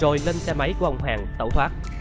rồi lên xe máy của ông hoàng tẩu thoát